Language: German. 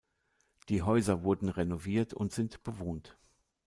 Die Häuser wurden renoviert und sind bewohnt.